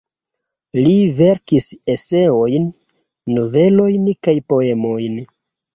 Li verkis eseojn, novelojn kaj poemojn.